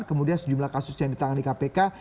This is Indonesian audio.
kemudian sejumlah kasus yang ditangani kpk